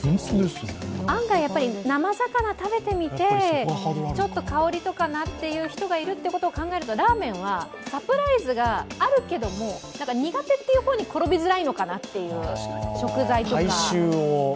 案外、生魚を食べてみて香りとかなっていう人がいるということを考えると、ラーメンはサプライズがあるけども、苦手という方に転びづらいのかなという、食材とか。